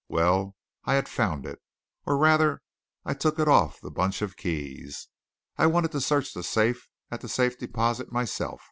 Well, I had found it. Or rather, I took it off the bunch of keys. I wanted to search the safe at the Safe Deposit myself.